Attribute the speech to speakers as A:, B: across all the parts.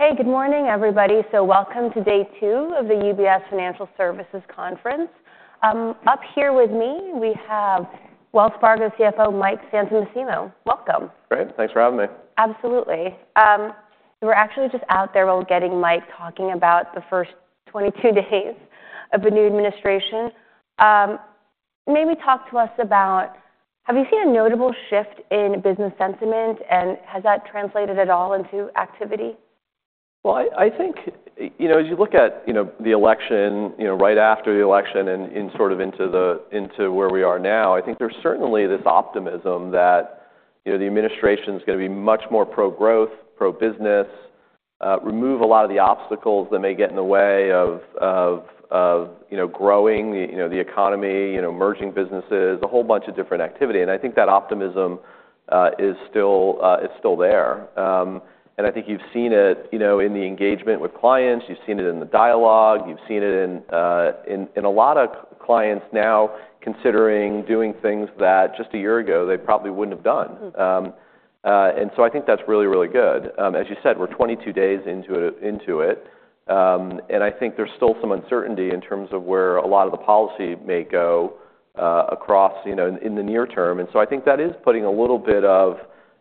A: Hey, good morning, everybody. So welcome to day two of the UBS Financial Services Conference. Up here with me, we have Wells Fargo CFO Mike Santomassimo. Welcome.
B: Great. Thanks for having me.
A: Absolutely. We were actually just out there while getting Mike talking about the first 22 days of the new administration. Maybe talk to us about, have you seen a notable shift in business sentiment, and has that translated at all into activity?
B: I think, you know, as you look at, you know, the election, you know, right after the election and sort of into where we are now, I think there's certainly this optimism that, you know, the administration's gonna be much more pro-growth, pro-business, remove a lot of the obstacles that may get in the way of, you know, growing, you know, the economy, you know, merging businesses, a whole bunch of different activity. I think that optimism is still there. I think you've seen it, you know, in the engagement with clients, you've seen it in the dialogue, you've seen it in a lot of clients now considering doing things that just a year ago they probably wouldn't have done.
A: Mm-hmm.
B: And so I think that's really, really good. As you said, we're 22 days into it. And I think there's still some uncertainty in terms of where a lot of the policy may go, across, you know, in the near term. And so I think that is putting a little bit of,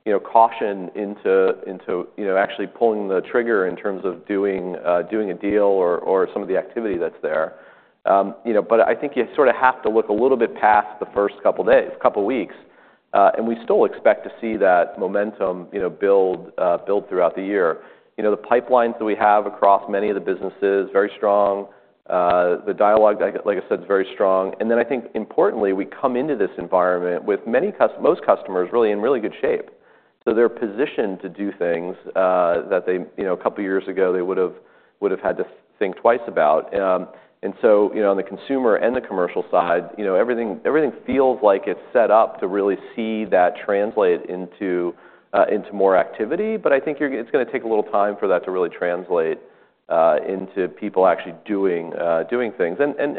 B: you know, caution into, you know, actually pulling the trigger in terms of doing a deal or some of the activity that's there. You know, but I think you sort of have to look a little bit past the first couple days, couple weeks. And we still expect to see that momentum, you know, build throughout the year. You know, the pipelines that we have across many of the businesses, very strong. The dialogue, like I said, is very strong. And then I think importantly, we come into this environment with many, most customers really in really good shape. So they're positioned to do things that they, you know, a couple years ago they would've had to think twice about. And so, you know, on the consumer and the commercial side, you know, everything feels like it's set up to really see that translate into more activity. But I think it's gonna take a little time for that to really translate into people actually doing things. And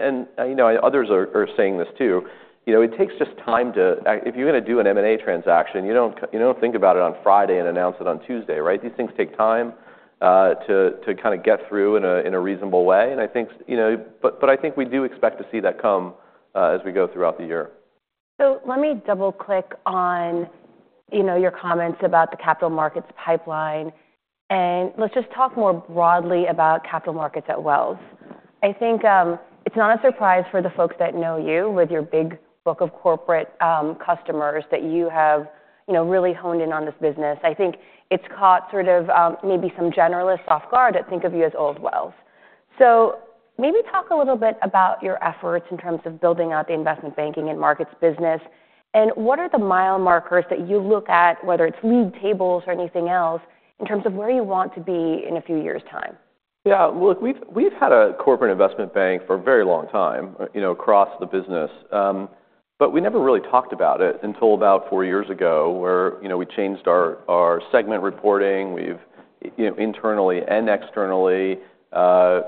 B: you know, others are saying this too. You know, it takes just time to, if you're gonna do an M&A transaction, you don't think about it on Friday and announce it on Tuesday, right? These things take time to kinda get through in a reasonable way. I think, you know, but I think we do expect to see that come, as we go throughout the year.
A: So let me double-click on, you know, your comments about the capital markets pipeline. And let's just talk more broadly about capital markets at Wells. I think, it's not a surprise for the folks that know you with your big book of corporate, customers that you have, you know, really honed in on this business. I think it's caught sort of, maybe some generalists off guard that think of you as old Wells. So maybe talk a little bit about your efforts in terms of building out the investment banking and markets business. And what are the mile markers that you look at, whether it's league tables or anything else, in terms of where you want to be in a few years' time?
B: Yeah. Well, look, we've had a corporate investment bank for a very long time, you know, across the business. But we never really talked about it until about four years ago where, you know, we changed our segment reporting. We've, you know, internally and externally,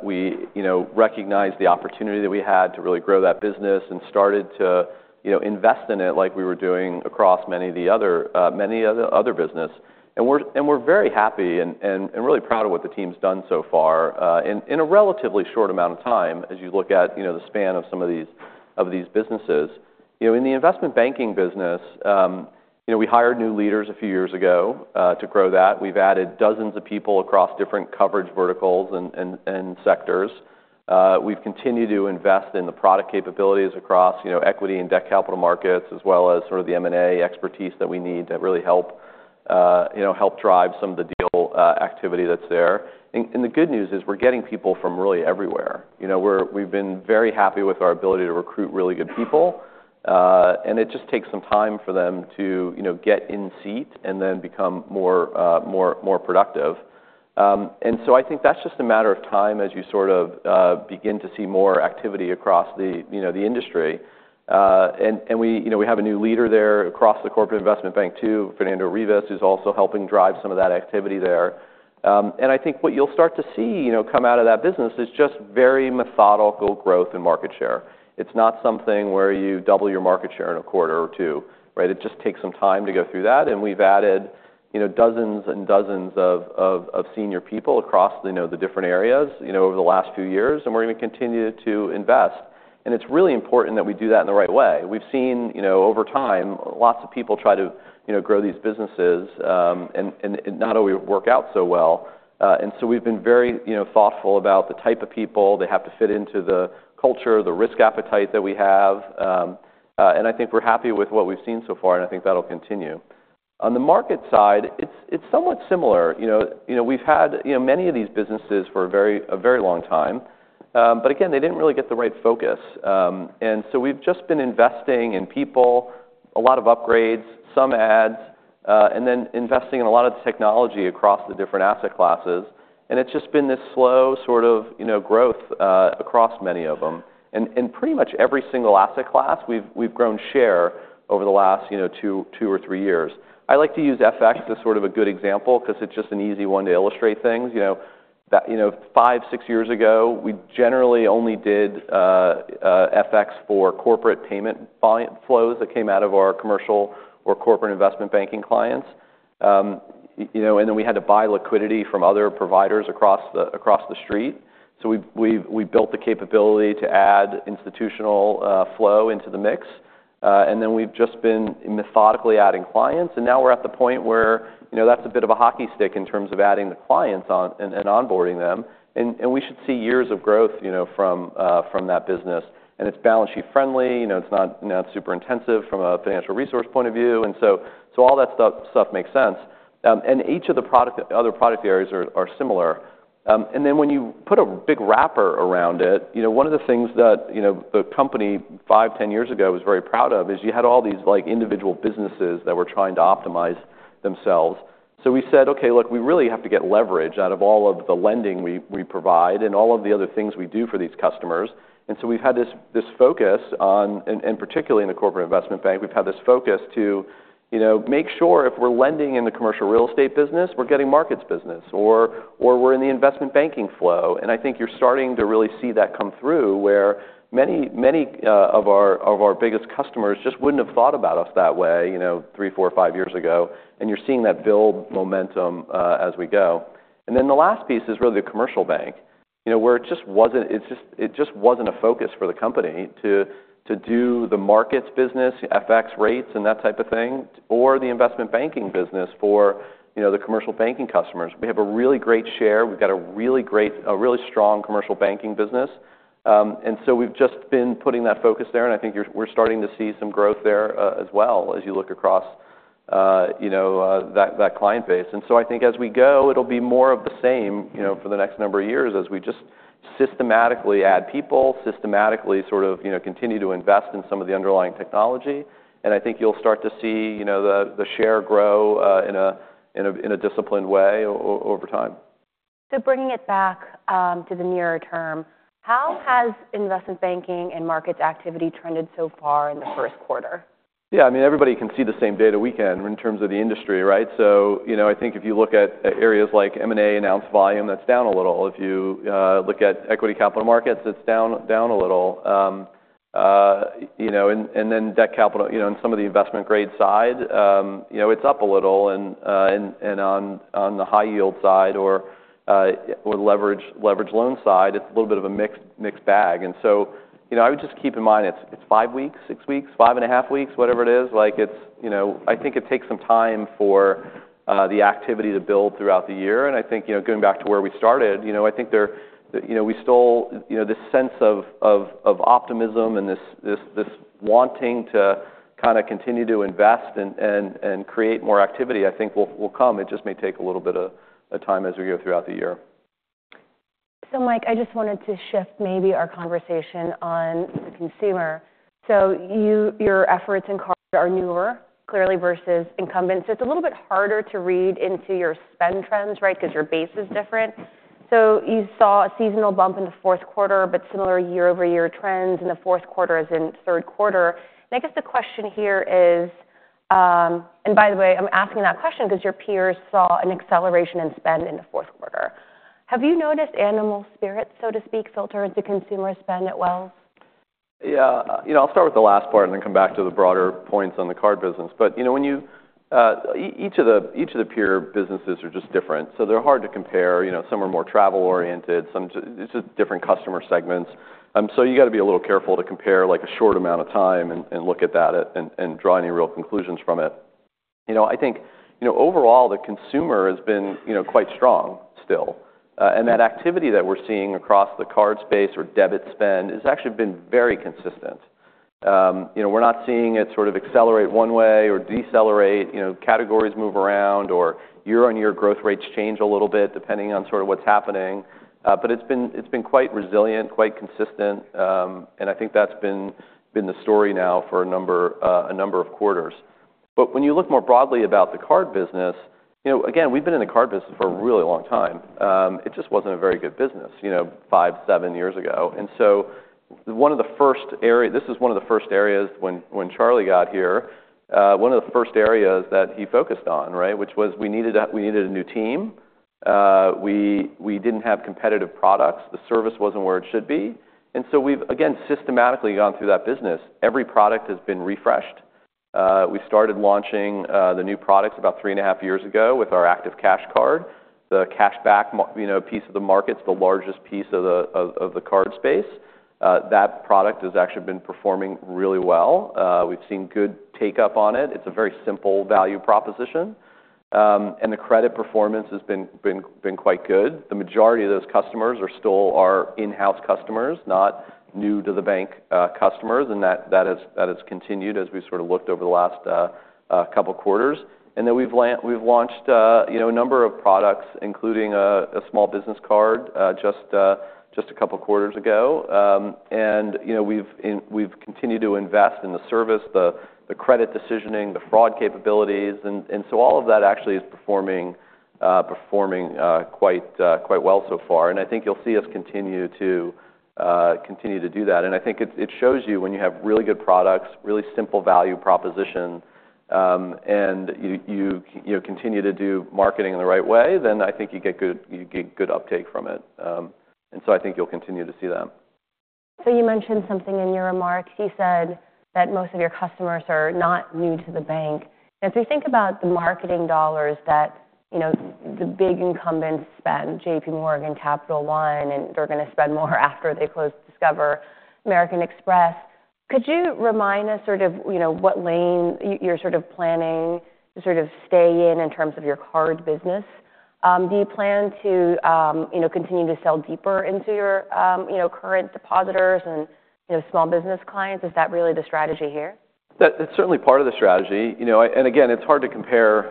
B: we, you know, recognized the opportunity that we had to really grow that business and started to, you know, invest in it like we were doing across many of the other business. And we're very happy and really proud of what the team's done so far, in a relatively short amount of time. As you look at, you know, the span of some of these businesses, you know, in the investment banking business, you know, we hired new leaders a few years ago, to grow that. We've added dozens of people across different coverage verticals and sectors. We've continued to invest in the product capabilities across, you know, equity and Debt Capital Markets, as well as sort of the M&A expertise that we need to really help, you know, help drive some of the deal activity that's there. The good news is we're getting people from really everywhere. You know, we've been very happy with our ability to recruit really good people. It just takes some time for them to, you know, get in seat and then become more productive, and so I think that's just a matter of time as you sort of begin to see more activity across the, you know, industry. And we, you know, we have a new leader there across the corporate investment bank too, Fernando Rivas, who's also helping drive some of that activity there. And I think what you'll start to see, you know, come out of that business is just very methodical growth and market share. It's not something where you double your market share in a quarter or two, right? It just takes some time to go through that. And we've added, you know, dozens and dozens of senior people across, you know, the different areas, you know, over the last few years. And we're gonna continue to invest. And it's really important that we do that in the right way. We've seen, you know, over time, lots of people try to, you know, grow these businesses, and it not always work out so well. And so we've been very, you know, thoughtful about the type of people. They have to fit into the culture, the risk appetite that we have. And I think we're happy with what we've seen so far, and I think that'll continue. On the market side, it's somewhat similar. You know, we've had, you know, many of these businesses for a very long time. But again, they didn't really get the right focus. And so we've just been investing in people, a lot of upgrades, some ads, and then investing in a lot of the technology across the different asset classes. And it's just been this slow sort of, you know, growth across many of them. And pretty much every single asset class, we've grown share over the last, you know, two or three years. I like to use FX as sort of a good example 'cause it's just an easy one to illustrate things. You know, that, you know, five, six years ago, we generally only did FX for corporate payment buy flows that came out of our commercial or corporate investment banking clients. You know, and then we had to buy liquidity from other providers across the street. So we've built the capability to add institutional flow into the mix. And then we've just been methodically adding clients. And now we're at the point where, you know, that's a bit of a hockey stick in terms of adding the clients on and onboarding them. And we should see years of growth, you know, from that business. And it's balance sheet friendly. You know, it's not super intensive from a financial resource point of view. And so all that stuff makes sense. And each of the other product areas are similar. And then when you put a big wrapper around it, you know, one of the things that, you know, the company five, ten years ago was very proud of is you had all these, like, individual businesses that were trying to optimize themselves. So we said, "Okay, look, we really have to get leverage out of all of the lending we provide and all of the other things we do for these customers." And so we've had this focus on, and particularly in the corporate investment bank, we've had this focus to, you know, make sure if we're lending in the commercial real estate business, we're getting markets business, or we're in the investment banking flow. I think you're starting to really see that come through where many of our biggest customers just wouldn't have thought about us that way, you know, three, four, five years ago. You're seeing that build momentum, as we go. Then the last piece is really the commercial bank, you know, where it just wasn't a focus for the company to do the markets business, FX rates and that type of thing, or the investment banking business for, you know, the commercial banking customers. We have a really great share. We've got a really great, really strong commercial banking business. So we've just been putting that focus there. I think we're starting to see some growth there, as well as you look across, you know, that client base. And so I think as we go, it'll be more of the same, you know, for the next number of years as we just systematically add people, systematically sort of, you know, continue to invest in some of the underlying technology. And I think you'll start to see, you know, the share grow in a disciplined way over time.
A: So bringing it back to the nearer term, how has investment banking and markets activity trended so far in the first quarter?
B: Yeah. I mean, everybody can see the same data week in, week out in terms of the industry, right? So, you know, I think if you look at areas like M&A announced volume, that's down a little. If you look at equity capital markets, it's down a little. You know, and then debt capital, you know, and some of the investment grade side, you know, it's up a little. And on the high yield side or leveraged loan side, it's a little bit of a mixed bag. And so, you know, I would just keep in mind it's five weeks, six weeks, five and a half weeks, whatever it is. Like, it's, you know, I think it takes some time for the activity to build throughout the year. I think, you know, going back to where we started, you know, I think there, you know, we still, you know, this sense of optimism and this wanting to kinda continue to invest and create more activity, I think will come. It just may take a little bit of time as we go throughout the year.
A: So, Mike, I just wanted to shift maybe our conversation on the consumer. So you, your efforts and card are newer, clearly versus incumbents. It's a little bit harder to read into your spend trends, right? 'Cause your base is different. So you saw a seasonal bump in the fourth quarter, but similar year-over-year trends in the fourth quarter as in third quarter. And I guess the question here is, and by the way, I'm asking that question 'cause your peers saw an acceleration in spend in the fourth quarter. Have you noticed animal spirits, so to speak, filter into consumer spend at Wells?
B: Yeah. You know, I'll start with the last part and then come back to the broader points on the card business. But, you know, when you, each of the peer businesses are just different. So they're hard to compare. You know, some are more travel oriented, some just different customer segments. So you gotta be a little careful to compare like a short amount of time and look at that and draw any real conclusions from it. You know, I think, you know, overall the consumer has been, you know, quite strong still, and that activity that we're seeing across the CardSpace or debit spend has actually been very consistent. You know, we're not seeing it sort of accelerate one way or decelerate, you know, categories move around or year-on-year growth rates change a little bit depending on sort of what's happening. But it's been, it's been quite resilient, quite consistent. And I think that's been, been the story now for a number, a number of quarters. But when you look more broadly about the card business, you know, again, we've been in the card business for a really long time. It just wasn't a very good business, you know, five, seven years ago. And so one of the first area, this is one of the first areas when, when Charlie got here, one of the first areas that he focused on, right, which was we needed a, we needed a new team. We, we didn't have competitive products. The service wasn't where it should be. And so we've again systematically gone through that business. Every product has been refreshed. We started launching the new products about three and a half years ago with our Active Cash Card. The cash back, you know, piece of the market's the largest piece of the CardSpace. That product has actually been performing really well. We've seen good uptake on it. It's a very simple value proposition, and the credit performance has been quite good. The majority of those customers are still our in-house customers, not new to the bank customers. That has continued as we've sort of looked over the last couple quarters. Then we've launched, you know, a number of products including a small business card just a couple quarters ago, and you know, we've continued to invest in the service, the credit decisioning, the fraud capabilities. And so all of that actually is performing quite well so far. I think you'll see us continue to do that. I think it shows you when you have really good products, really simple value proposition, and you know, continue to do marketing in the right way, then I think you get good uptake from it. So I think you'll continue to see that.
A: So you mentioned something in your remarks. You said that most of your customers are not new to the bank. And if we think about the marketing dollars that, you know, the big incumbents spend, J.P. Morgan, Capital One, and they're gonna spend more after they close Discover, American Express. Could you remind us sort of, you know, what lane you, you're sort of planning to sort of stay in in terms of your card business? Do you plan to, you know, continue to sell deeper into your, you know, current depositors and, you know, small business clients? Is that really the strategy here?
B: That's certainly part of the strategy. You know, and again, it's hard to compare,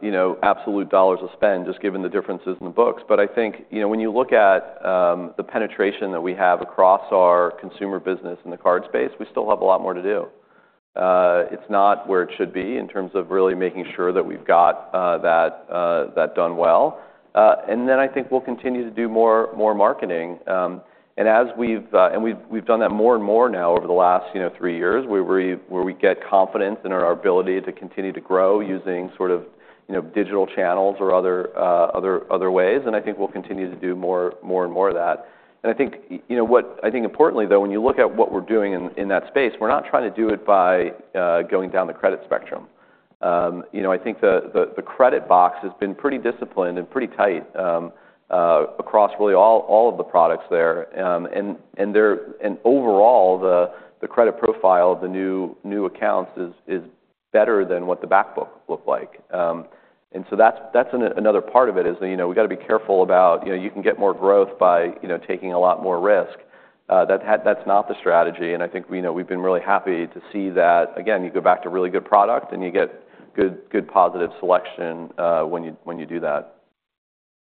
B: you know, absolute dollars of spend just given the differences in the books. But I think, you know, when you look at the penetration that we have across our consumer business in the CardSpace, we still have a lot more to do. It's not where it should be in terms of really making sure that we've got that done well. Then I think we'll continue to do more marketing. And as we've done that more and more now over the last, you know, three years where we get confidence in our ability to continue to grow using sort of, you know, digital channels or other ways. And I think we'll continue to do more and more of that. I think, you know, what I think importantly though, when you look at what we're doing in that space, we're not trying to do it by going down the credit spectrum. You know, I think the credit box has been pretty disciplined and pretty tight across really all of the products there. Overall, the credit profile of the new accounts is better than what the back book looked like. So that's another part of it, that you know, we gotta be careful about. You know, you can get more growth by taking a lot more risk. That's not the strategy. I think, you know, we've been really happy to see that. Again, you go back to really good product and you get good, good positive selection, when you do that.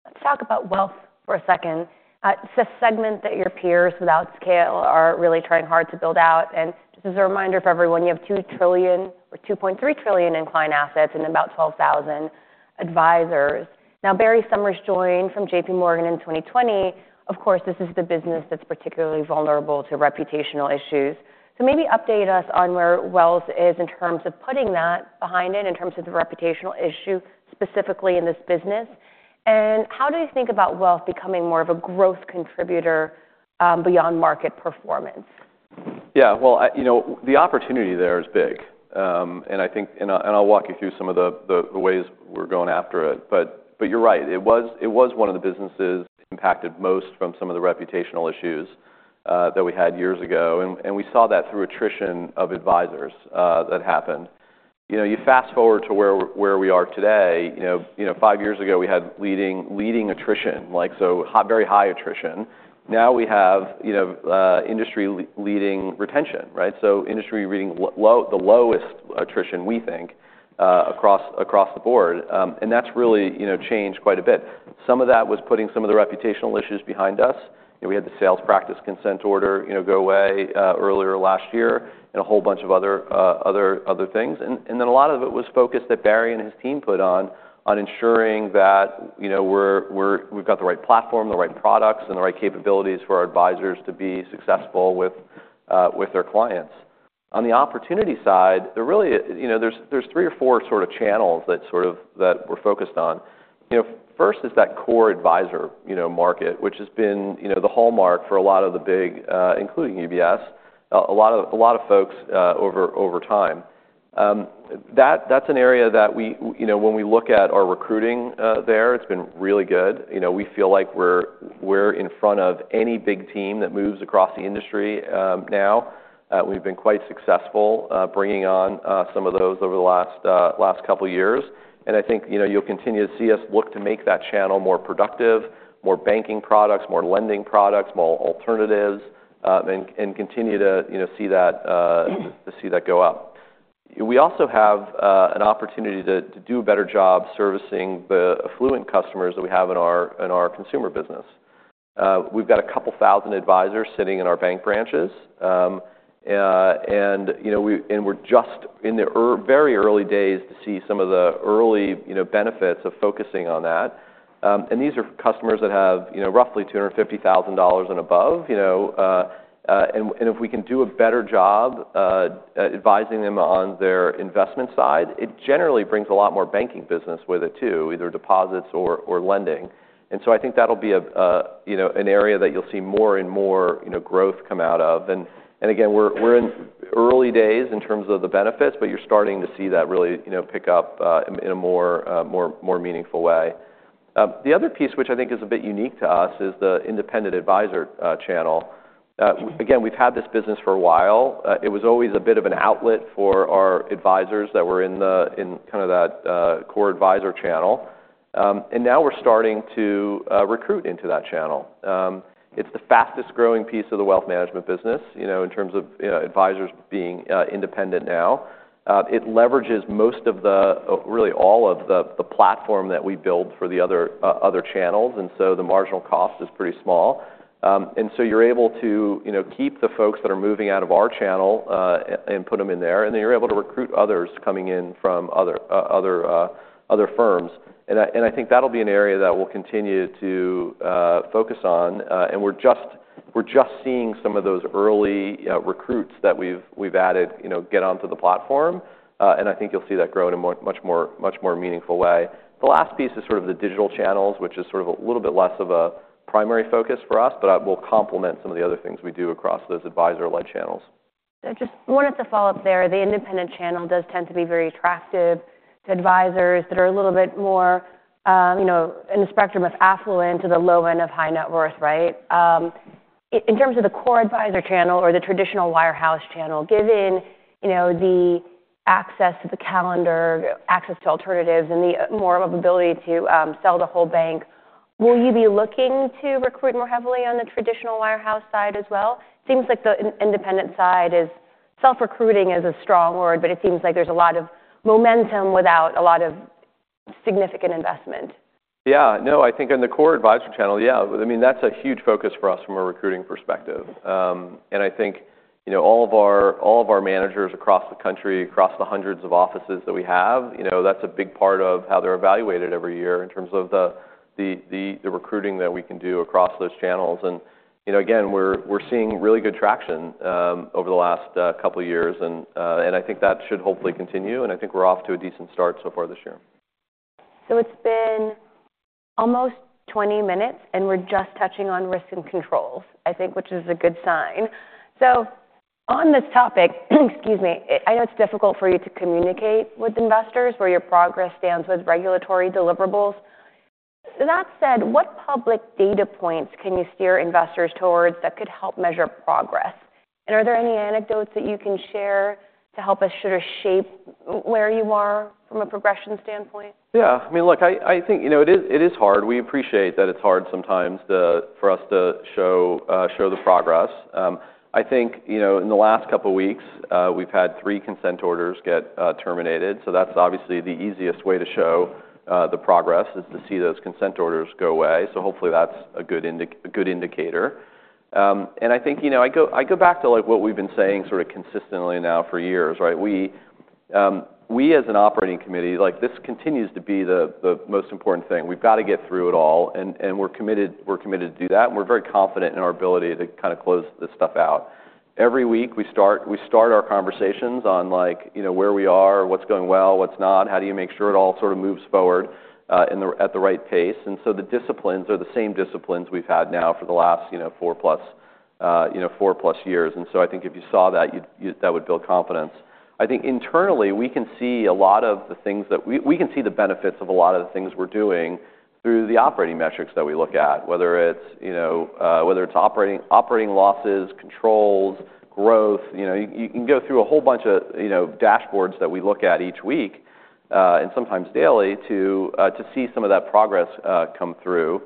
A: Let's talk about wealth for a second. It's a segment that your peers without scale are really trying hard to build out. And just as a reminder for everyone, you have $2 trillion or $2.3 trillion in client assets and about 12,000 advisors. Now, Barry Sommers joined from J.P. Morgan in 2020. Of course, this is the business that's particularly vulnerable to reputational issues. So maybe update us on where Wells is in terms of putting that behind it in terms of the reputational issue specifically in this business. And how do you think about wealth becoming more of a growth contributor, beyond market performance?
B: Yeah. Well, you know, the opportunity there is big, and I think I'll walk you through some of the ways we're going after it, but you're right. It was one of the businesses impacted most from some of the reputational issues that we had years ago, and we saw that through attrition of advisors that happened. You know, you fast forward to where we are today, you know, five years ago we had leading attrition, like so high, very high attrition. Now we have, you know, industry-leading retention, right? So industry-leading low, the lowest attrition we think, across the board, and that's really, you know, changed quite a bit. Some of that was putting some of the reputational issues behind us. You know, we had the sales practice consent order, you know, go away earlier last year and a whole bunch of other things. And then a lot of it was focus that Barry and his team put on ensuring that, you know, we've got the right platform, the right products, and the right capabilities for our advisors to be successful with their clients. On the opportunity side, there really, you know, there's three or four sort of channels that we're focused on. You know, first is that core advisor, you know, market, which has been, you know, the hallmark for a lot of the big, including UBS, a lot of folks, over time. That's an area that we, you know, when we look at our recruiting there, it's been really good. You know, we feel like we're in front of any big team that moves across the industry now. We've been quite successful bringing on some of those over the last couple years, and I think, you know, you'll continue to see us look to make that channel more productive, more banking products, more lending products, more alternatives, and continue to, you know, see that go up. We also have an opportunity to do a better job servicing the affluent customers that we have in our consumer business. We've got a couple thousand advisors sitting in our bank branches, and you know, we're just in the very early days to see some of the early, you know, benefits of focusing on that. These are customers that have, you know, roughly $250,000 and above, you know, and if we can do a better job advising them on their investment side, it generally brings a lot more banking business with it too, either deposits or lending. So I think that'll be a, you know, an area that you'll see more and more, you know, growth come out of. And again, we're in early days in terms of the benefits, but you're starting to see that really, you know, pick up in a more meaningful way. The other piece, which I think is a bit unique to us, is the independent advisor channel. Again, we've had this business for a while. It was always a bit of an outlet for our advisors that were in the, in kinda that core advisor channel. And now we're starting to recruit into that channel. It's the fastest growing piece of the wealth management business, you know, in terms of, you know, advisors being independent now. It leverages most of the, really all of the platform that we build for the other channels. And so the marginal cost is pretty small. And so you're able to, you know, keep the folks that are moving out of our channel, and put 'em in there. And then you're able to recruit others coming in from other firms. And I think that'll be an area that we'll continue to focus on. And we're just seeing some of those early recruits that we've added, you know, get onto the platform. And I think you'll see that grow in a much more meaningful way. The last piece is sort of the digital channels, which is sort of a little bit less of a primary focus for us, but I will complement some of the other things we do across those advisor-led channels.
A: I just wanted to follow up there. The independent channel does tend to be very attractive to advisors that are a little bit more, you know, in the spectrum of affluent to the low end of high net worth, right? In terms of the core advisor channel or the traditional wirehouse channel, given, you know, the access to capital, access to alternatives, and the more of a ability to sell the whole bank, will you be looking to recruit more heavily on the traditional wirehouse side as well? Seems like the independent side is self-recruiting is a strong word, but it seems like there's a lot of momentum without a lot of significant investment.
B: Yeah. No, I think on the core advisor channel, yeah. I mean, that's a huge focus for us from a recruiting perspective, and I think, you know, all of our managers across the country, across the hundreds of offices that we have, you know, that's a big part of how they're evaluated every year in terms of the recruiting that we can do across those channels. And, you know, again, we're seeing really good traction over the last couple years. And I think that should hopefully continue. And I think we're off to a decent start so far this year.
A: So it's been almost 20 minutes, and we're just touching on risk and controls, I think, which is a good sign. So on this topic, excuse me, I know it's difficult for you to communicate with investors where your progress stands with regulatory deliverables. So that said, what public data points can you steer investors towards that could help measure progress? And are there any anecdotes that you can share to help us sort of shape where you are from a progression standpoint?
B: Yeah. I mean, look, I think, you know, it is hard. We appreciate that it's hard sometimes for us to show the progress. I think, you know, in the last couple weeks, we've had three consent orders get terminated. So that's obviously the easiest way to show the progress is to see those consent orders go away, so hopefully that's a good indicator, and I think, you know, I go back to like what we've been saying sort of consistently now for years, right? We as an operating committee, like this continues to be the most important thing. We've gotta get through it all, and we're committed to do that, and we're very confident in our ability to kinda close this stuff out. Every week we start our conversations on like, you know, where we are, what's going well, what's not, how do you make sure it all sort of moves forward at the right pace. And so the disciplines are the same disciplines we've had now for the last, you know, four plus years. And so I think if you saw that, you'd that would build confidence. I think internally we can see a lot of the things that we can see the benefits of a lot of the things we're doing through the operating metrics that we look at, whether it's, you know, whether it's operating losses, controls, growth, you know, you can go through a whole bunch of, you know, dashboards that we look at each week, and sometimes daily to see some of that progress come through,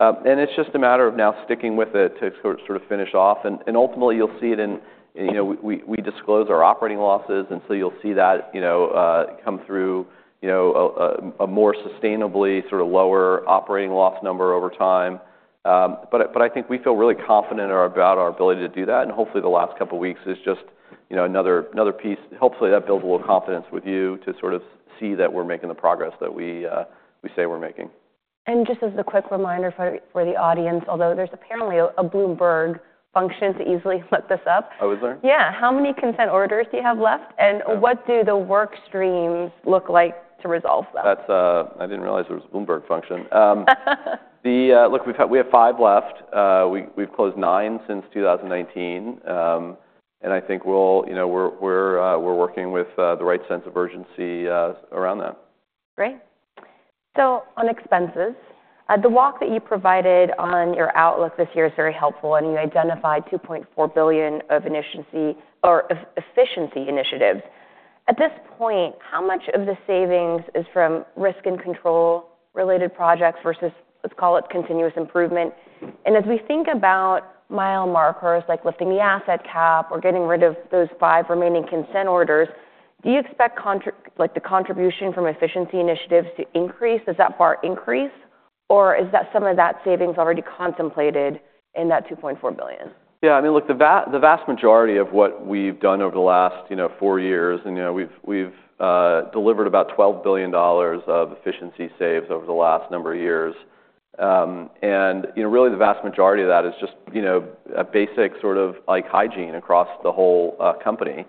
B: and it's just a matter of now sticking with it to sort of finish off, and ultimately you'll see it in, you know, we disclose our operating losses, and so you'll see that, you know, come through, you know, a more sustainably sort of lower operating loss number over time, but I think we feel really confident about our ability to do that. And hopefully the last couple weeks is just, you know, another, another piece. Hopefully that builds a little confidence with you to sort of see that we're making the progress that we, we say we're making.
A: Just as a quick reminder for the audience, although there's apparently a Bloomberg function to easily look this up.
B: Oh, is there?
A: Yeah. How many consent orders do you have left? And what do the work streams look like to resolve them?
B: That's. I didn't realize there was a Bloomberg function. Look, we have five left. We've closed nine since 2019, and I think we'll, you know, we're working with the right sense of urgency around that.
A: Great. So on expenses, the walk that you provided on your outlook this year is very helpful. And you identified $2.4 billion of efficiency or efficiency initiatives. At this point, how much of the savings is from risk and control related projects versus let's call it continuous improvement? And as we think about mile markers like lifting the asset cap or getting rid of those five remaining consent orders, do you expect, like the contribution from efficiency initiatives to increase? Does that bar increase? Or is that some of that savings already contemplated in that $2.4 billion?
B: Yeah. I mean, look, the vast majority of what we've done over the last, you know, four years, and, you know, we've delivered about $12 billion of efficiency saves over the last number of years. And, you know, really the vast majority of that is just, you know, a basic sort of like hygiene across the whole company.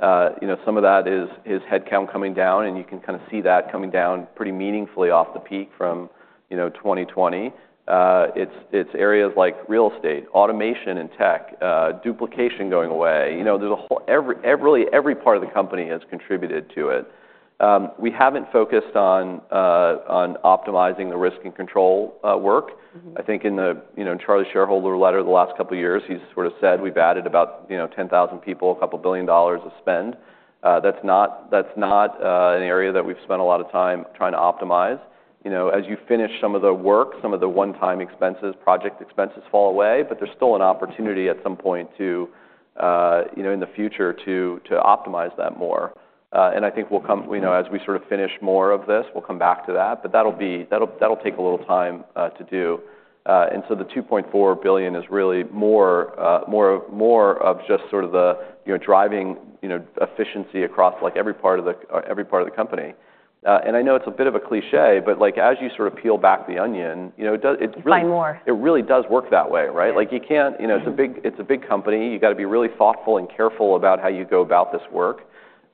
B: You know, some of that is headcount coming down, and you can kinda see that coming down pretty meaningfully off the peak from, you know, 2020. It's areas like real estate, automation and tech, duplication going away. You know, there's a whole, really every part of the company has contributed to it. We haven't focused on optimizing the risk and control work. I think in the, you know, in Charlie's shareholder letter the last couple years, he's sort of said we've added about, you know, 10,000 people, a couple billion dollars of spend. That's not an area that we've spent a lot of time trying to optimize. You know, as you finish some of the work, some of the one-time expenses, project expenses fall away, but there's still an opportunity at some point to, you know, in the future to optimize that more. And I think we'll come, you know, as we sort of finish more of this, we'll come back to that, but that'll take a little time to do. And so the $2.4 billion is really more of just sort of the, you know, driving, you know, efficiency across like every part of the company. and I know it's a bit of a cliché, but like as you sort of peel back the onion, you know, it does, it really.
A: You find more.
B: It really does work that way, right? Like you can't, you know, it's a big, it's a big company. You gotta be really thoughtful and careful about how you go about this work,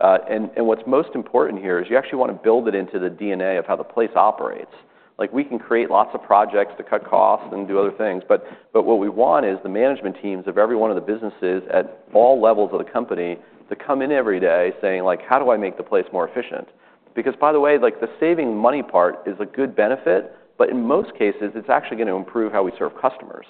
B: and, and what's most important here is you actually wanna build it into the DNA of how the place operates. Like we can create lots of projects to cut costs and do other things, but, but what we want is the management teams of every one of the businesses at all levels of the company to come in every day saying like, how do I make the place more efficient? Because by the way, like the saving money part is a good benefit, but in most cases, it's actually gonna improve how we serve customers.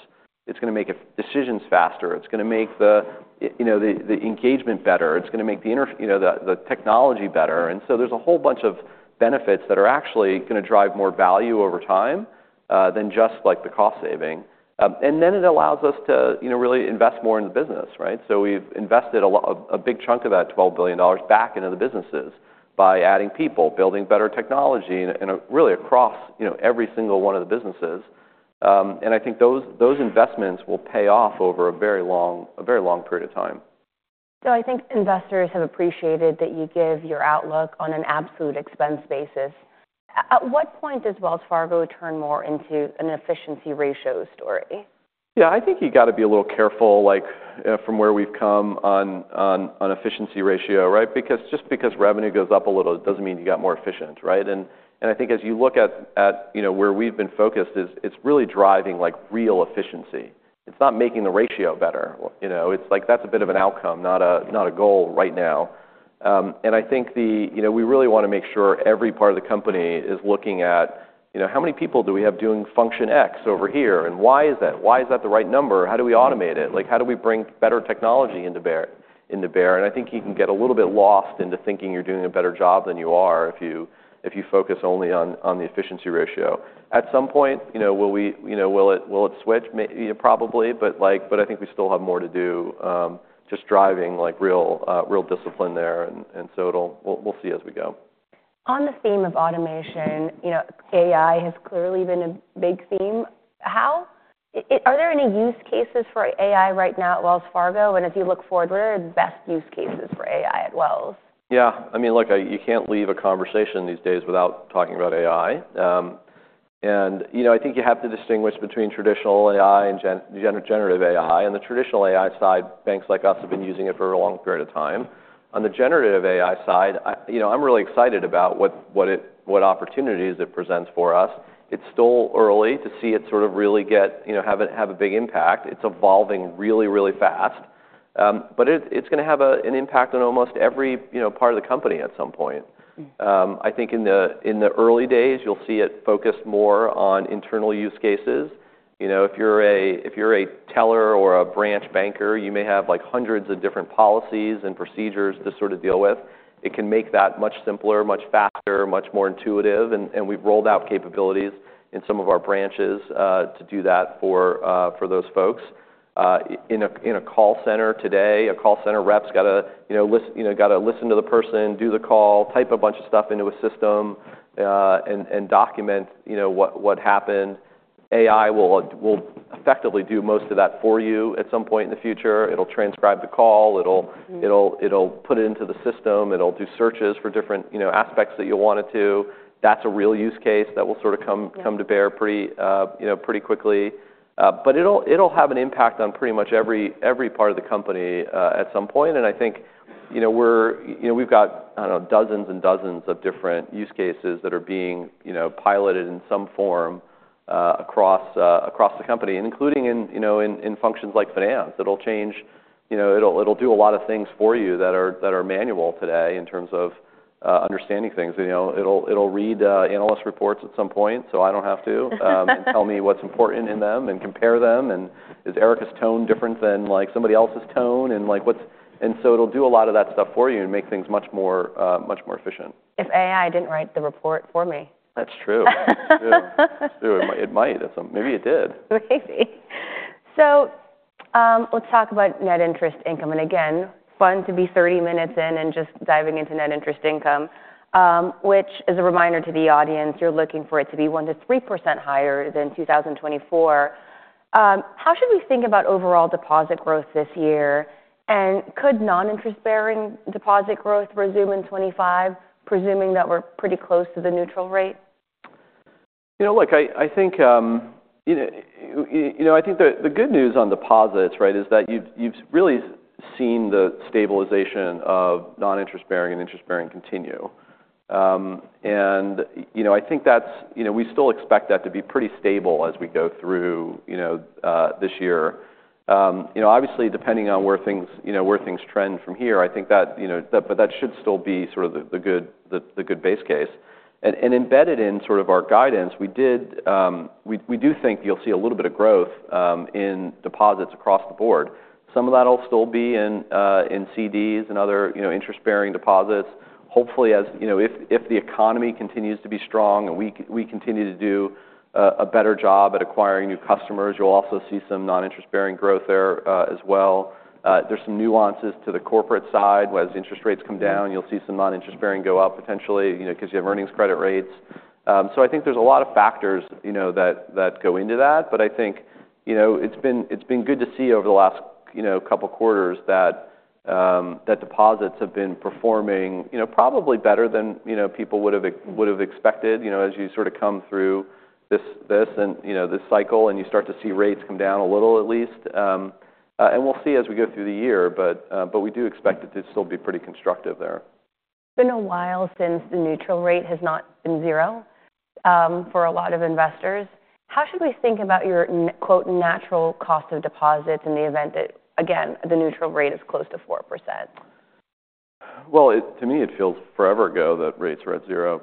B: It's gonna make decisions faster. It's gonna make the, you know, the, the engagement better. It's gonna make the infrastructure, you know, the technology better. And so there's a whole bunch of benefits that are actually gonna drive more value over time, than just like the cost saving. And then it allows us to, you know, really invest more in the business, right? So we've invested a lot, a big chunk of that $12 billion back into the businesses by adding people, building better technology and really across, you know, every single one of the businesses. And I think those investments will pay off over a very long period of time.
A: So I think investors have appreciated that you give your outlook on an absolute expense basis. At what point does Wells Fargo turn more into an efficiency ratio story?
B: Yeah. I think you gotta be a little careful, like, from where we've come on efficiency ratio, right? Because just because revenue goes up a little, it doesn't mean you got more efficient, right? And I think as you look at, you know, where we've been focused is, it's really driving like real efficiency. It's not making the ratio better. You know, it's like that's a bit of an outcome, not a goal right now, and I think, you know, we really wanna make sure every part of the company is looking at, you know, how many people do we have doing function X over here? And why is that? Why is that the right number? How do we automate it? Like how do we bring better technology to bear? And I think you can get a little bit lost into thinking you're doing a better job than you are if you focus only on the efficiency ratio. At some point, you know, will we, you know, will it switch? Maybe, you know, probably, but like, I think we still have more to do, just driving like real discipline there. And so it'll. We'll see as we go.
A: On the theme of automation, you know, AI has clearly been a big theme. How are there any use cases for AI right now at Wells Fargo, and as you look forward, what are the best use cases for AI at Wells?
B: Yeah. I mean, look, I, you can't leave a conversation these days without talking about AI. And, you know, I think you have to distinguish between traditional AI and generative AI. On the traditional AI side, banks like us have been using it for a long period of time. On the generative AI side, I, you know, I'm really excited about what opportunities it presents for us. It's still early to see it sort of really get, you know, have a big impact. It's evolving really, really fast. But it's gonna have an impact on almost every, you know, part of the company at some point. I think in the early days, you'll see it focused more on internal use cases. You know, if you're a teller or a branch banker, you may have like hundreds of different policies and procedures to sort of deal with. It can make that much simpler, much faster, much more intuitive. And we've rolled out capabilities in some of our branches, to do that for those folks. In a call center today, a call center rep's gotta listen to the person, you know, do the call, type a bunch of stuff into a system, and document what happened. AI will effectively do most of that for you at some point in the future. It'll transcribe the call. It'll put it into the system. It'll do searches for different, you know, aspects that you want it to. That's a real use case that will sort of come to bear pretty you know pretty quickly, but it'll have an impact on pretty much every part of the company at some point. And I think you know we've got I don't know dozens and dozens of different use cases that are being you know piloted in some form across the company, including in you know in functions like finance. It'll change you know it'll do a lot of things for you that are manual today in terms of understanding things. You know it'll read analyst reports at some point so I don't have to and tell me what's important in them and compare them. And is EriKa's tone different than like somebody else's tone? And so it'll do a lot of that stuff for you and make things much more, much more efficient.
A: If AI didn't write the report for me.
B: That's true. It's true. It might, it might at some maybe it did.
A: Maybe. So, let's talk about net interest income. And again, fun to be 30 minutes in and just diving into net interest income, which is a reminder to the audience, you're looking for it to be 1%-3% higher than 2024. How should we think about overall deposit growth this year? And could non-interest bearing deposit growth resume in 2025, presuming that we're pretty close to the neutral rate?
B: You know, look, I think you know the good news on deposits, right, is that you've really seen the stabilization of non-interest bearing and interest bearing continue, and you know, I think that's you know we still expect that to be pretty stable as we go through you know this year. You know, obviously depending on where things trend from here, I think that but that should still be sort of the good base case, and embedded in sort of our guidance, we do think you'll see a little bit of growth in deposits across the board. Some of that'll still be in CDs and other you know interest bearing deposits. Hopefully, as you know, if the economy continues to be strong and we continue to do a better job at acquiring new customers, you'll also see some non-interest bearing growth there, as well. There's some nuances to the corporate side. As interest rates come down, you'll see some non-interest bearing go up potentially, you know, 'cause you have earnings credit rates, so I think there's a lot of factors, you know, that go into that, but I think, you know, it's been good to see over the last, you know, couple quarters that deposits have been performing, you know, probably better than, you know, people would've expected, you know, as you sort of come through this and, you know, this cycle and you start to see rates come down a little at least. And we'll see as we go through the year, but we do expect it to still be pretty constructive there.
A: It's been a while since the neutral rate has not been zero, for a lot of investors. How should we think about your, quote, natural cost of deposits in the event that, again, the neutral rate is close to 4%?
B: To me, it feels forever ago that rates were at zero.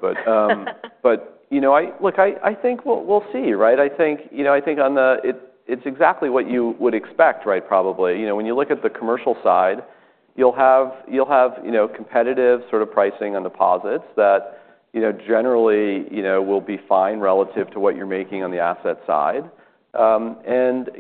B: You know, look, I think we'll see, right? I think, you know, it's exactly what you would expect, right? Probably, you know, when you look at the commercial side, you'll have competitive sort of pricing on deposits that generally will be fine relative to what you're making on the asset side. You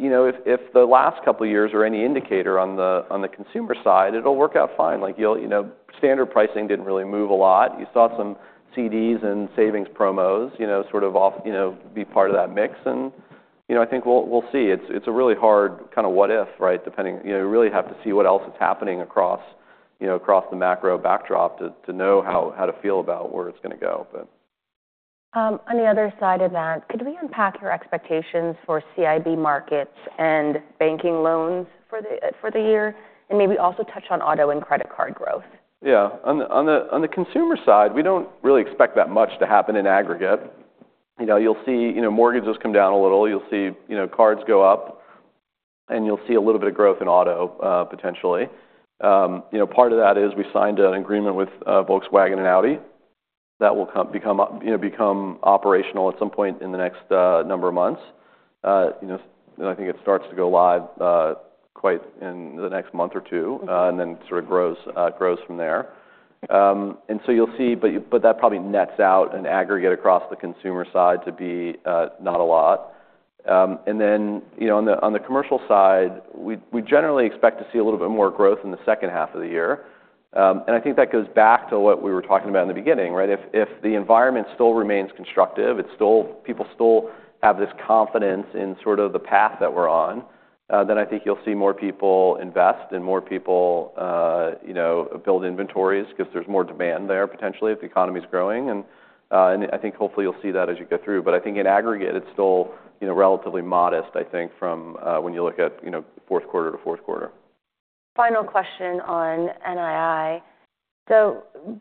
B: know, if the last couple of years are any indicator on the consumer side, it'll work out fine. Like, you know, standard pricing didn't really move a lot. You saw some CDs and savings promos, you know, sort of as part of that mix. You know, I think we'll see. It's a really hard kind of what if, right? Depending, you know, you really have to see what else is happening across, you know, across the macro backdrop to know how to feel about where it's gonna go, but.
A: On the other side of that, could we unpack your expectations for CIB markets and banking loans for the year and maybe also touch on auto and credit card growth?
B: Yeah. On the consumer side, we don't really expect that much to happen in aggregate. You know, you'll see, you know, mortgages come down a little. You'll see, you know, cards go up and you'll see a little bit of growth in auto, potentially. You know, part of that is we signed an agreement with Volkswagen and Audi that will become operational at some point in the next number of months. You know, and I think it starts to go live quite in the next month or two, and then sort of grows from there. And so you'll see, but that probably nets out in aggregate across the consumer side to be not a lot. And then, you know, on the commercial side, we generally expect to see a little bit more growth in the second half of the year. I think that goes back to what we were talking about in the beginning, right? If the environment still remains constructive, it's still, people still have this confidence in sort of the path that we're on, then I think you'll see more people invest and more people, you know, build inventories 'cause there's more demand there potentially if the economy's growing. And I think hopefully you'll see that as you go through. But I think in aggregate, it's still, you know, relatively modest, I think, from when you look at, you know, fourth quarter to fourth quarter.
A: Final question on NII.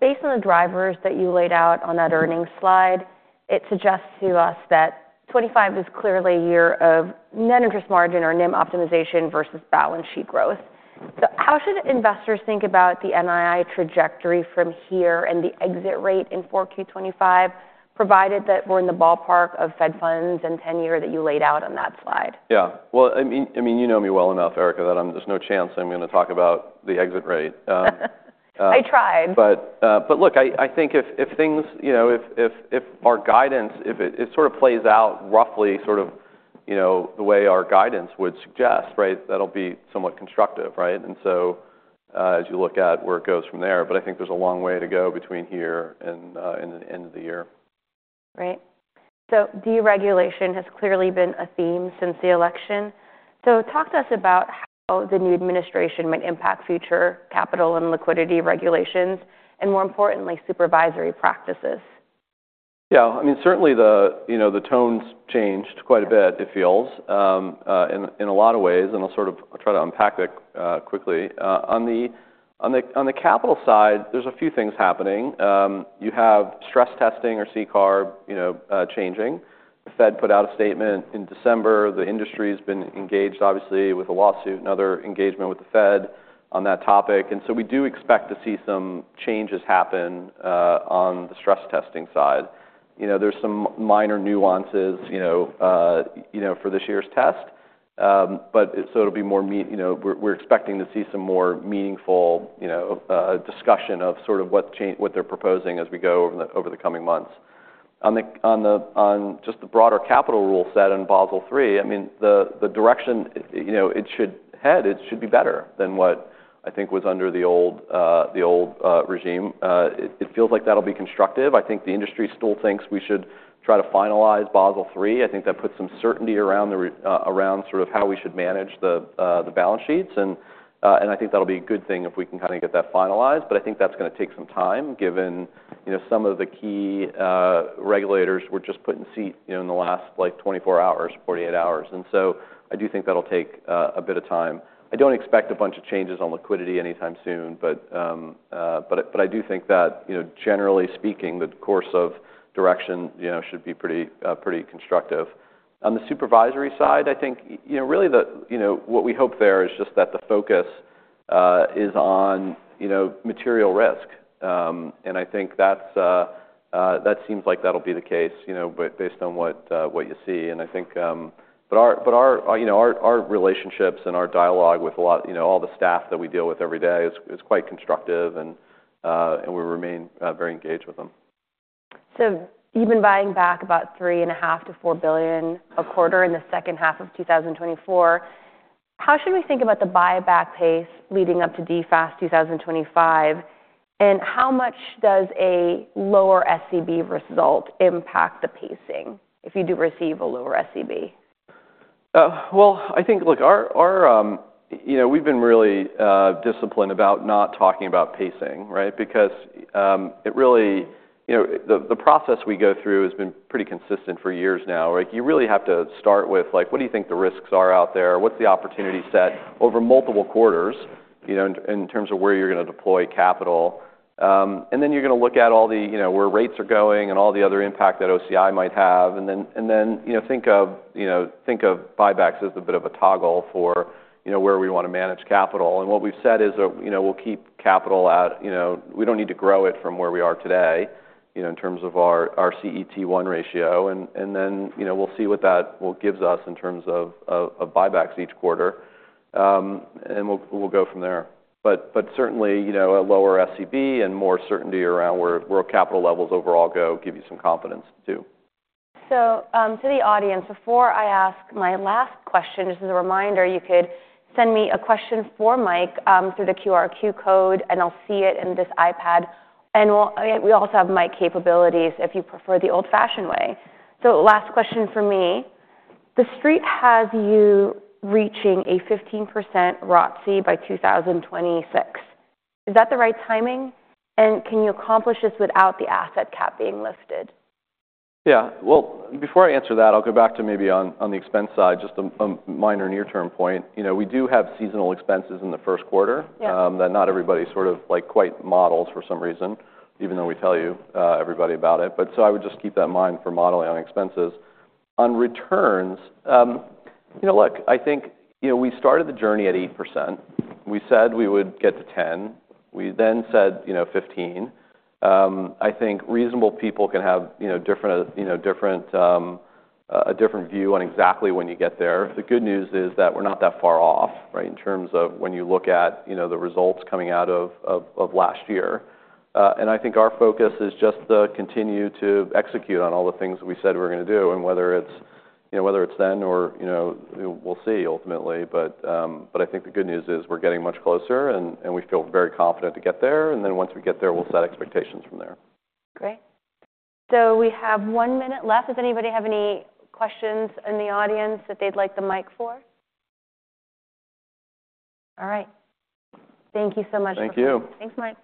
A: Based on the drivers that you laid out on that earnings slide, it suggests to us that 2025 is clearly a year of net interest margin or NIM optimization versus balance sheet growth. How should investors think about the NII trajectory from here and the exit rate in 4Q 2025, provided that we're in the ballpark of Fed funds and 10-year that you laid out on that slide?
B: Yeah, well, I mean, you know me well enough, Erika, that I'm, there's no chance I'm gonna talk about the exit rate.
A: I tried.
B: But look, I think if things, you know, if our guidance if it sort of plays out roughly sort of, you know, the way our guidance would suggest, right, that'll be somewhat constructive, right? And so, as you look at where it goes from there, but I think there's a long way to go between here and the end of the year.
A: Right. So deregulation has clearly been a theme since the election. So talk to us about how the new administration might impact future capital and liquidity regulations and more importantly, supervisory practices.
B: Yeah. I mean, certainly the tone's changed quite a bit, it feels, in a lot of ways. I'll sort of try to unpack it quickly. On the capital side, there's a few things happening. You have stress testing or CCAR, you know, changing. The Fed put out a statement in December. The industry's been engaged, obviously, with a lawsuit and other engagement with the Fed on that topic. So we do expect to see some changes happen on the stress testing side. You know, there's some minor nuances, you know, for this year's test. But so it'll be more meaningful, you know, we're expecting to see some more meaningful, you know, discussion of sort of what they're proposing as we go over the coming months. On the broader capital rule set in Basel III, I mean, the direction, you know, it should head, it should be better than what I think was under the old regime. It feels like that'll be constructive. I think the industry still thinks we should try to finalize Basel III. I think that puts some certainty around sort of how we should manage the balance sheets. And I think that'll be a good thing if we can kind of get that finalized. But I think that's gonna take some time given, you know, some of the key regulators were just put in their seats, you know, in the last like 24 hours, 48 hours. And so I do think that'll take a bit of time. I don't expect a bunch of changes on liquidity anytime soon, but I do think that, you know, generally speaking, the course of direction, you know, should be pretty constructive. On the supervisory side, I think, you know, really, you know, what we hope there is just that the focus is on, you know, material risk, and I think that seems like that'll be the case, you know, but based on what you see. And I think, but our, you know, our relationships and our dialogue with a lot, you know, all the staff that we deal with every day is quite constructive and we remain very engaged with them.
A: So you've been buying back about $3.5-$4 billion a quarter in the second half of 2024. How should we think about the buyback pace leading up to DFAST 2025? And how much does a lower SCB result impact the pacing if you do receive a lower SCB?
B: Well, I think, look, our you know, we've been really disciplined about not talking about pacing, right? Because it really, you know, the process we go through has been pretty consistent for years now. Like you really have to start with like, what do you think the risks are out there? What's the opportunity set over multiple quarters, you know, in terms of where you're gonna deploy capital? And then you're gonna look at all the you know, where rates are going and all the other impact that OCI might have. And then you know, think of buybacks as a bit of a toggle for you know, where we wanna manage capital. What we've said is that, you know, we'll keep capital at, you know, we don't need to grow it from where we are today, you know, in terms of our CET1 ratio. Then, you know, we'll see what that will give us in terms of of buybacks each quarter, and we'll go from there. But certainly, you know, a lower SCB and more certainty around where capital levels overall go give you some confidence too.
A: So, to the audience, before I ask my last question, just as a reminder, you could send me a question for Mike through the QR code and I'll see it in this iPad. And we'll, we also have mic capabilities if you prefer the old-fashioned way. So last question for me, the street has you reaching a 15% ROTC by 2026. Is that the right timing? And can you accomplish this without the asset cap being lifted?
B: Yeah. Well, before I answer that, I'll go back to maybe on the expense side, just a minor near-term point. You know, we do have seasonal expenses in the first quarter.
A: Yeah.
B: That not everybody sort of like quite models for some reason, even though we tell everybody about it. But so I would just keep that in mind for modeling on expenses. On returns, you know, look, I think, you know, we started the journey at 8%. We said we would get to 10%. We then said, you know, 15%. I think reasonable people can have, you know, different, you know, different, a different view on exactly when you get there. The good news is that we're not that far off, right, in terms of when you look at, you know, the results coming out of last year, and I think our focus is just to continue to execute on all the things we said we were gonna do. And whether it's, you know, whether it's then or, you know, we'll see ultimately. But I think the good news is we're getting much closer and we feel very confident to get there. And then once we get there, we'll set expectations from there.
A: Great. So we have one minute left. Does anybody have any questions in the audience that they'd like the mic for? All right. Thank you so much, Mike.
B: Thank you.
A: Thanks, Mike.